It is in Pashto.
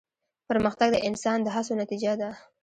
پرمختګ د انسان د هڅو نتیجه ده.